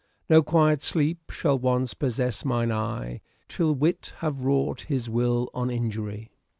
No quiet sleep shall once possess mine eye, Till wit have wrought his will on injury.